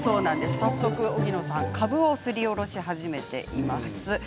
早速、荻野さんかぶをすりおろしています。